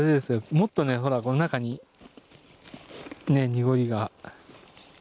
もっとねほらこの中にねえ濁りが。